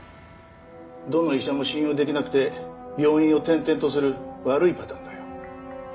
どの医者も信用できなくて病院を転々とする悪いパターンだよ。